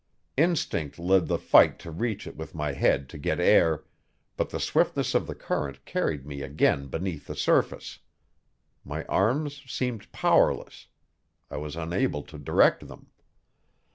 Instinct led the fight to reach it with my head to get air, but the swiftness of the current carried me again beneath the surface. My arms seemed powerless; I was unable to direct them.